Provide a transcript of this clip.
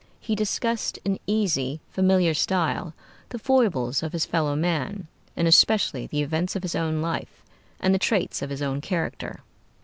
He discussed in easy, familiar style, the foibles of his fellow men, and especially the events of his own life and the traits of his own character.